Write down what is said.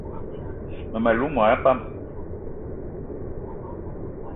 Mmem- alou mona pam